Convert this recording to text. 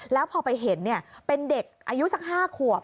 แล้วพอไปเห็นเป็นเด็กอายุสัก๕ขวบ